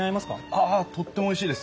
あぁとってもおいしいです。